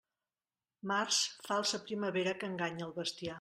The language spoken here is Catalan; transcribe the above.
Març, falsa primavera que enganya al bestiar.